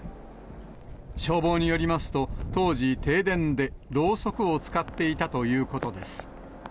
消防によりますと、当時、停電でろうそくを使っていたということです。